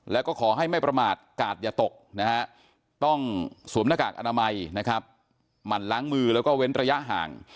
และก็ขอให้ไม่ประมาทกาดอย่าตกต้องสวมนากากอนามัยมั่นล้างมือและเว้นระยะห่าง